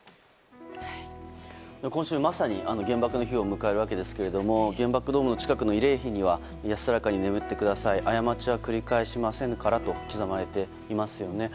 今週まさに原爆の日を迎えるわけですが原爆ドームの近くの慰霊碑には「安らかに眠ってください過ちは繰り返しませぬから」と刻まれていますよね。